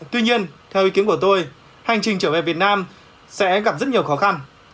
tuy nhiên theo ý kiến của tôi hành trình trở về việt nam sẽ gặp rất nhiều khó khăn